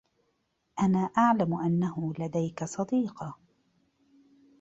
انا اعلم انه لديك صديقة